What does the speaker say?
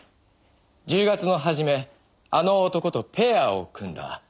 １０月の始めあの男とペアを組んだ」